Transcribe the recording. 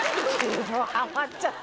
はまっちゃった。